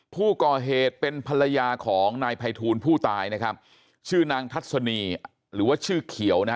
ผู้ก่อเหตุเป็นภรรยาของนายภัยทูลผู้ตายนะครับชื่อนางทัศนีหรือว่าชื่อเขียวนะฮะ